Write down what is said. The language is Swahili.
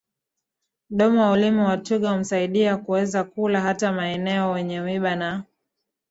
michongom Mdomo na ulimi wa twiga humsaidia kuweza kula hata maeneo yenye miba na